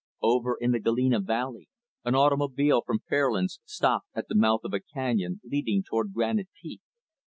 Over in the Galena Valley, an automobile from Fairlands stopped at the mouth of a canyon leading toward Granite Peak.